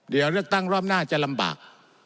เดี๋ยวเลือกตั้งรอบหน้าจะลำบาก